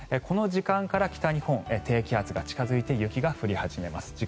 この時間から北日本低気圧が近付いて雪が降り始めます。